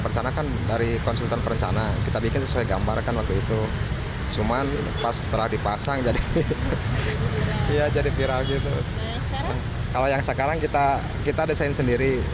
bisa jadi dari konsultan perencanaan